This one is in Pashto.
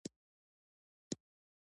که ګیدړ په خم کې رنګ شو په دا څه شي.